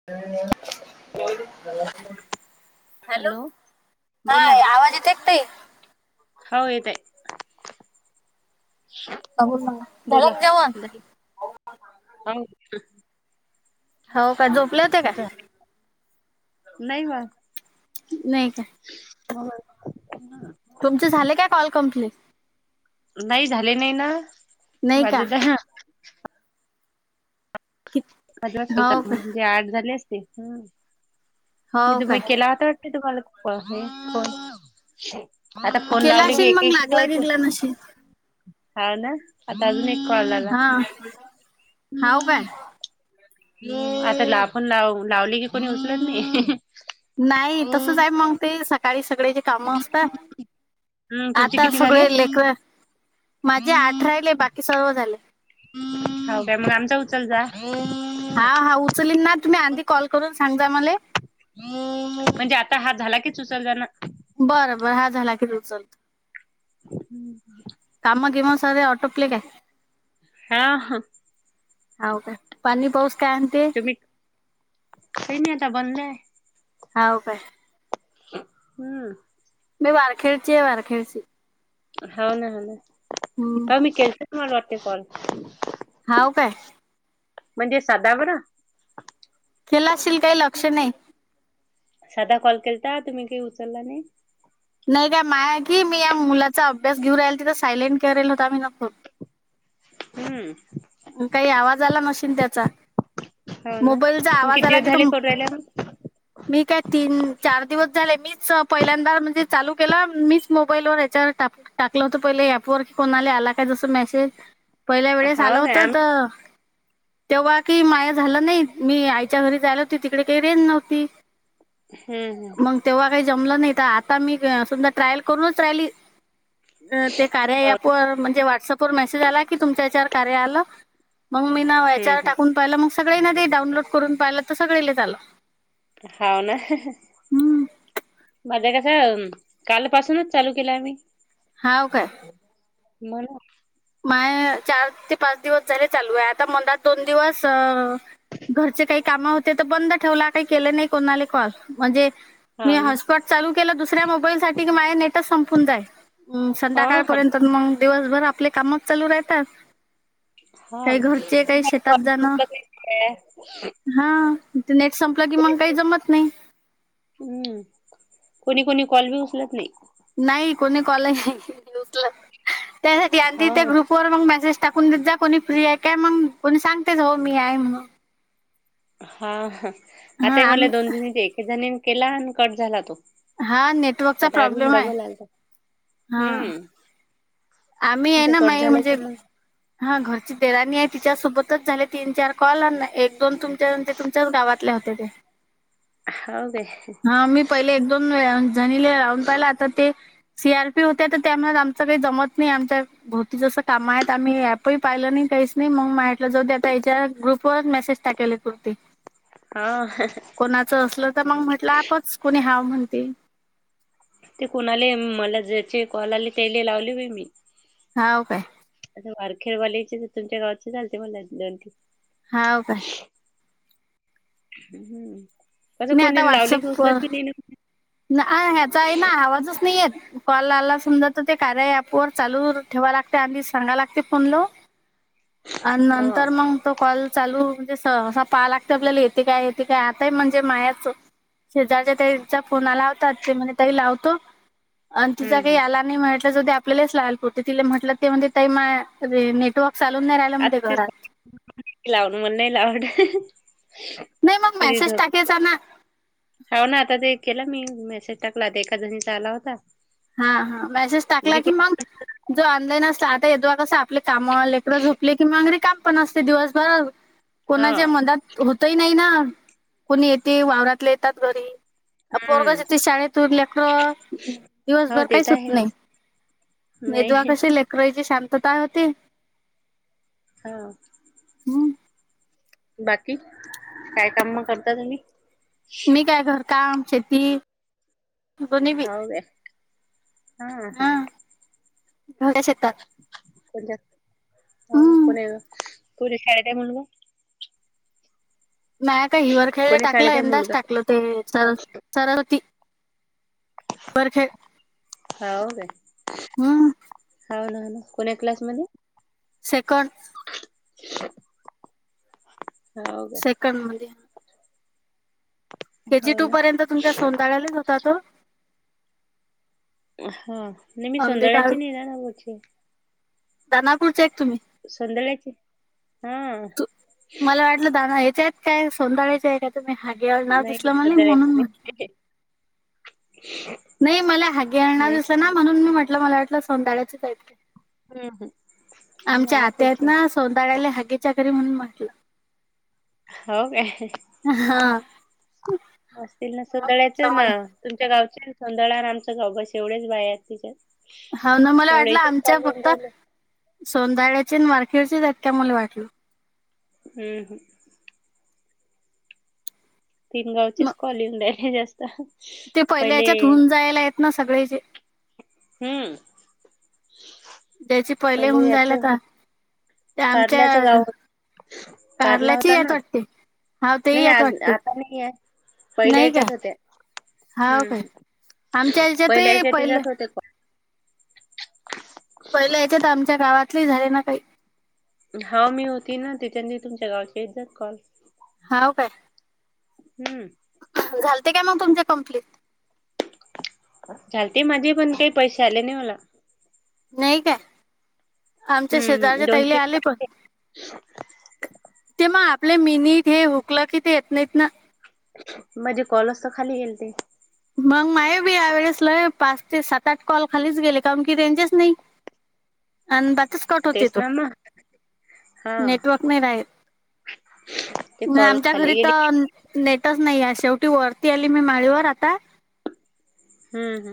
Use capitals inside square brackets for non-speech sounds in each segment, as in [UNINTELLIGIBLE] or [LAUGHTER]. [UNINTELLIGIBLE] Hello, बोला. चटई. हो येतंय. झालं बोला का जेवणं. [UNINTELLIGIBLE] हौ का झोपले का काय, नाही बा नाही काय. [UNINTELLIGIBLE] तुमचे झाले काय कॉल कम्प्लीट. नाही झाले, नाही ना. नाही का. माझे दहा कि- अजा हो चाल का म्हणजे, आठ झाले असतील. मी हो तुमा काय केला आता वाटत, तुम्हा काॅल हे फोन. आता फोन केला लावले की असेल मग एकएक लागला कलते गिगला नसेल होना. आता अजून एक कॉल आला. हा हो काय आता लापून लाव- लावली की कोणी उचलत नाही. नाही तसंच आहे, मग ते सकाळी सगळे जे. काम असता, हम् तुमचे आता किती झाले सगळे लेकर. माझे आठ राहिले बाकी सर्व झाले. हो का, मग आमचा उचल जा. हा हा, उचलीन ना तुम्ही, आधी कॉल करून सांगा मले. म्हणजे आता हा झाला की चुचल जाना. बरं बरं, हा झाला कि मी उचलतो. हम्म. काम गिम सगले ऑटोप्ले काय? हां हं. हौका पानी पौसं काय. म्हणते तुम्ही काही नाही, आता बंद ये. हौ का. हम्म. मी वारखेडची आहे. वारखेडची हो ना, हो ना. हम्म. मी केलंत तुम्हाला वाटते काॅल. हाव काय. म्हणजे सादा बरा. केला अशील काही लक्ष नाही. साधा कॉल केलता, तुम्ही काय उचला नाही. नाही गं माय की, मी या मुलांचा अभ्यास घेऊ राहिल तिं सायलेंट करेल होता मीन फोन. हम्म. काही आवाज आला नशील त्यांचा. हो ना, किती दिवस की तो झाले करून रायला मग. मी काय तीन चार दिवस झाले, मीच पहिल्यांदा म्हणजे चालू केलं. मीच मोबाईल व यांच्यावर टाप, टाकलं होतं पहिले ऍपवर कोणाला आला, काय जस मेसेज पहिल्या वेळेस आला हाव काय होत आम्ही तर. तेव्हा की माया झाला नाही, मी आईच्या घरी जायल होती तिकडे काही रेंज नव्हती. हम्म हम्म. मग तेव्हा काही जमलं नाही, तर आता मी समधा ट्रायल करूनच राहिली. ते कार्य हो अॅप वर म्हणजे, व्हॉट्सअपवर मेसेज आला की तुमच्यावर कार्य आलं. मग मी ना हम्म याचवर हम्म टाकून पाहिलं, मग सगळे ना दे डाऊनलोड करून पाहिलं तर सगळेल आलं. हाव ना. हम्म. माझ्या कसं काल पासूनच चालू केला अम्ही. हाव काय? मला माय चार ते पाच दिवस झाले चालू आहे आता मंदा दोन दिवस घरचे काही काम होते तर बंद ठेवला काही केलं नाही कोणाले कॉल म्हणजे हा मी ना हॉटपॉट चालू केलं दुसऱ्या मोबाईल साठी की माझे नेटच संपून जाय. हम्म हा हा संध्याकाळपर्यंत मंग दिवसभर आपले कामच चालू राहतात. हा काही घरचे, कोणी काही कोणी कॉल बी शेतात जाणं उचलत नाही [INAUDIBLE] हा ते नेट संपलं की मंग काही जमत नाही. हम्म कोणी कोणी कॉल बी उचलत नाही. नाही कोणी कॉललं उचलत त्यासाठी आणि ती ते हा ग्रुप पोरं मंग मेसेज टाकून देत जा कोणी फ्री आहे काय मंग कोणी सांगतेच हो मी आहे म्हणून हा आता हां, ही मला आम्ही दोन दि एक जणी केला आणि कट झाला तो. हा नेटवर्कचा आता अजून प्रॉब्लेम आहे डबल आलता हा हम्म. आम्ही आहे ते ना कट मही झालं म्हणजे की मग हा घरची देराणी आहे तिच्यासोबतच झाले तीन चार कॉल आणला एक दोन तुमच्या तुमच्याच गावातल्या होत्या ते. हाव काय? हा मी पहिले एक दोन वेळा जणीले राहून पाहिलं आता ते सी आर पी होत्या तर त्यामुळे आमचं काही जमत मी आमतव भोवती जसं कामं आहेत आम्ही ऐप ही पाहिलं नाही काहीच नाही मग माटलं जाऊ ते आता याच्या ग्रुपवर मेसेज टाकेले. होती हा. कोणाचं असलं तर मग म्हटलं आपच कुणी हावं म्हणतील. ते कोणाले मला ज्याचे कॉल आले त्याले लावले व्हय मी. हाव काय? वारखेरवालेचे तर तुमच्या गावातचे चालते मला दोन ती हाव काय? हम्म कसं नाही कोणी लावली उचलत बी नाही ना नाय ह्याचा आहे ना आवाजच नाही येत. कॉल आला समजा तर ते कार्य ऐप वर चालू ठेवा लागते आणि सांगा लागते फोनलो. आन हा नंतर हम्म मग तो कॉल चालू म्हणजे स असं पाहा लागते आपल्याला येते काय येते काय आताय म्हणजे मायाच शेजारच्या ताईच्या फोना लावतात ते म्हणे ताई लावतो. आणि तिचा काही हम्म याला नाही म्हटलं जाऊ द्या आपले लहिस लाल कोठे तिला म्हटलं ते हून दे ताई माय रे नेटवर्कचां [UNINTELLIGIBLE] नाही मग मेसेज रिजत टाकायचा ना हाव ना आता ते केलं मी मेसेज टाकला तर एका जणीचा आला होता. हा हा मेसेज टाकला की जिकडून मग जो ऑनलाईन असला आता हे दोघं कसं ते आपले कामले करा झोपले की मांगरीे काम पण असते दिवसभरा हा कोणाच्या मदात होत ही नाही ना कोणी येते वावरातल्या येतात घरी. आ पोरगा हम्म जातोय शाळेत उरल्याकर हो दिवसभर ते काहीच तर होत नाही. आहेच मेदवा नाही कशी लेकरईची शांतता होती हा. बाकी काय कामं करता तुम्ही? मी काय घर काम, शेती दोन्ही बी हो काय हा ह या शेतात कोणी हो हम्म कोणी तू रे खेळ ट म्हण ग नाही का हिवर खेळले कोणी टाकलं शाळेत आहे यंदाच मुलगा टाकलं ते तरर [UNINTELLIGIBLE] हाव गे ह हव ना कोणा क्लासमध्ये सेकंन हाव का [UNINTELLIGIBLE] के जी हो टू ना पर्यंत तुमच्या सोता्याळ्यालाच होता तो हा नाही मी अंबिका सोधळ्याची नाही जाणार होची दानापूरचे का तुम्ही संदलाची हा मला वाटलं दा या्याच्या आहेत काय सोंदाळ्याचे आहे का तुम्ही हागेवर नाव दिसलं मला नाही म्हणून [UNINTELLIGIBLE] नाही मला हागी आणणार नाही दिस ना सोंदळ्याची म्हणून मी म्हटलं मला वाटलं सोनताळ्याचेच ऐक हम् हम बलापडचे सौंधळ्याला हागेच्याकरी म्हणून म्हटलं हो काय हा असतील ना सतळ्याच म्हटलं ना मला तुमच्या गावचे सोंदळ आमचं गाव बस एवढेच बाहे आहेत तिच्यात हाव ना मला एवढे वाटलं इथेच आमच्या कॉल होऊन फक्त राहिले सोंदाळ्याची वारखेडचेत आहेत मला वाटलं ह, ह तिन गावचेच कॉलिंगड आहे जास्त पहिले पहिल्याच्यात होऊन जायला आहेत ना सगळे जे हम्म त्याची पहिले होऊन याच जायला का होत ते कारल्याच आमच्या गाव कारला कारल्याची होता येत ना वाटते हाव तेही नाही यात आज वाटते आता नाही आहे पहिल्या नाही काय याच्यात होत्या हाव हम्म काय हम्म आमच्या पहिल्या याच्यातही याच्यात पहिलं त्याच्यात होते कॉल पहिले याच्यात आमच्या गावातले झाले ना काही हा मी होती ना त्याच्यानी तुमच्या गावाच्या येत जात कॉल हाव काय हम्म झालते काय मग तुमच्या कंप्लीट झालते माझे पण काही पैसे आले नाही मला नाही काय आमच्या हम्म हम्म शेजराच्या दोनशे ताईला आले रुपये प ते मग आपले मिनीट हे हुकलं कि ते येत नाहीत ना म्हणजे कॉलज तर खाली गेल ते मग माझे बी यावेेळेस लय पाच ते सात आठ कॉल खालीच गेले कारण की त्यांचेच नाही आन बातच कट होती तेच तो ना मग हा नेटवर्क नाही राहील ते नाय कॉल आमच्या खाली घरी त गेले नेटच नाही या शेवटी वरती आली मी माळीवर आता ह, ह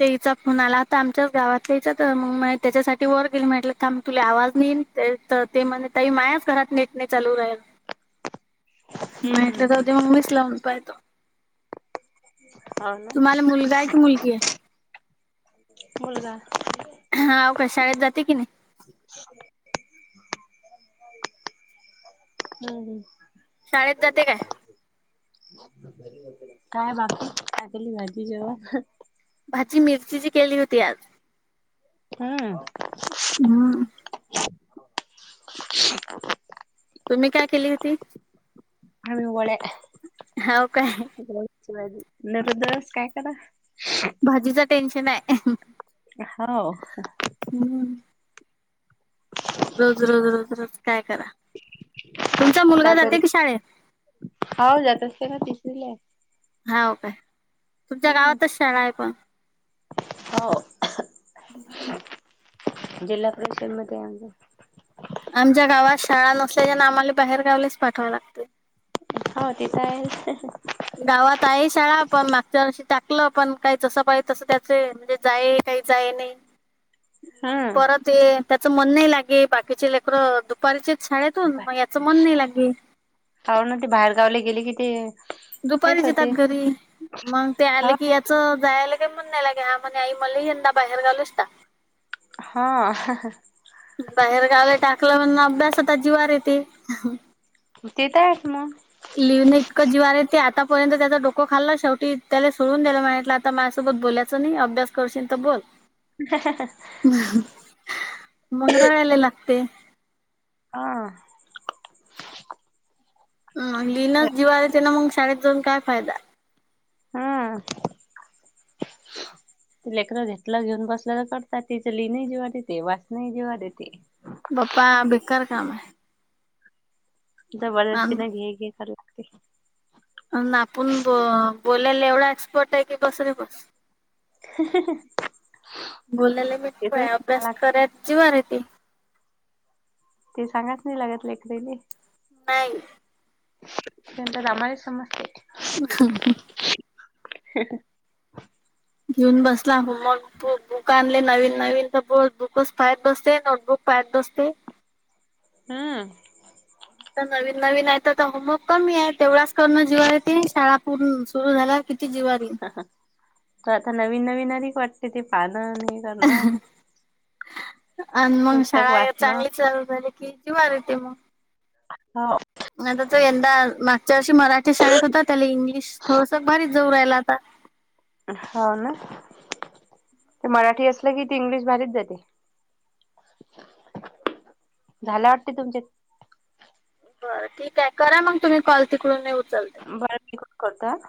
ते हचा फोन आला आता आमच्याच गावातल्याचा त्याच्यासाठी वर गेल म्हटलं थ तुला आवाज नाहीईन ते तर ते म्हण तई मायाच घरात नेट नाही चालू राहील हम्म हम्म माहितलं तरद हम्म मीच लावून पाहितो हौना मुलगा आहे की मुलगी आहे? मुलगा. हावो, का शाळेत जाते की नाही. हम्म. शाळेत जाते काय काय बाकी टाकली माझी जेव्हा भाजी मिरचीची केली होती आज हम्म. हम्म. तुम्ही काय केली होती. हम्म वळ्या. हौ काय. निर्दवस काय करा. अझीच टेन्शन ये. हौ. हम्म. रोज रोज रोज रोज काय करा, तुमचा मुलगा जाते की शाळेत. हौ जातात कणी तिसरीला ये. हौव काय, तुमच्या गावातच शाळा आहे पण. हौव. [UNINTELLIGIBLE] जिल्हा परिषदेमध्ये [UNINTELLIGIBLE] आमच्या गावात शाळा नसल्याच्याना, आम्हाला बाहेरगावलाच पाठवावं लागत. हो, तेथ तर आहेच. गावात आहे शाळा पण मागच्या वर्षी टाकलं, पण काही जसं पाहिज तस त्याचे म्हणजे, जाय काही, जाय नाही. हम्म परत ते त्याच मन नाही लागे, बाकीचे लेकर दु परिचित शाळेतून, मग याच मन नाही लागे. हो ना ते, बाहेर गावले गेले की ती. दुपारीच येतात घरी मग, ते आले हा की याच जायला. म्हणला घ्या म्हणे, आई मला यंदा बाहेर गालनिसता. हा. बाहेर गावला टाकलं म्हण, अभ्यासात जीवार येते. तेेत आहेत मग. लिवने इतकं जीवार आहे. ते आतापर्यंत त्याचा डोको खाल्ला शेवटी त्याला, सोडून द्यायला म्हटलं आता. तं माझ्यासोबत बोलायचं नाही, अभ्यास करशील तर बोल. [UNINTELLIGIBLE] मंग रडायला लागते. आ.. हम लिनस जीवाली ते ना, मग शाळेत जाऊन काय फायदा. अं.. [INAUDIBLE] लेकरं घेतलं घेऊन बसल्या तर करतात, तिच लेणी जेवा देते वासना जेवा देते. बाप्पा बेकार काम आहे. जबरदस्तीन घे घे करत होती. आपण ब बोलायला एवढा, एक्सपर्ट आहे की बसरे बस. बोलायला ते थोडी मिठोय सांगाय अभ्यास लागते करा जीवार येती. ते सांगाल नाही, लागत लेकरेले. नाही. [UNINTELLIGIBLE] समस्ते. [UNINTELLIGIBLE] ह येऊन बसला हो मग दु दुकान नवीन-नवीन [UNINTELLIGIBLE] बुकच पाहयत बसते, नोटबुक पाहयत बसते. हम्म. नवीन नवीन आहे तर तर होमवर्क कमी आहे, तेवढंच करणं जिव्हा शाळा पूर्ण सुरू झाल्या. किती जवारी. आता नवीन नवीन अधिक वाटते, ते पाणं नाही करणं. आणि मंग पुस्तक शाळा वाचणं चांगली चालू झाली कि जिवार येते मंग. हाव आता तो यंदा मागच्या वर्षी मराठी शाळेत होता त्याला इंग्लिश थोडसा भारीच जऊ राहिला आता. हाव ना. ते मराठी असलं की ती इंग्लिश भारीत देते. झाला वाटते तुमच्या बरं ठीक आहे करा मग तुम्ही कॉल तिकडून उचल बरं मी कट करताय.